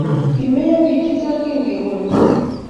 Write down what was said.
kimeyo pik che chang kinge wone